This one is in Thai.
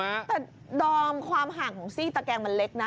แต่ดอมความห่างของซีกตะแกงมันเล็กนะ